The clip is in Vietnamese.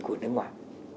của nước ngoài